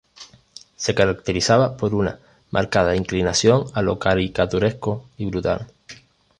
Se caracterizaba por una marcada inclinación a lo caricaturesco y brutal.